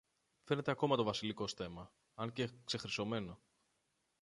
Φαίνεται ακόμα το βασιλικό στέμμα, αν και ξεχρυσωμένο.